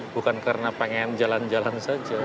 bukan karena pengen jalan jalan saja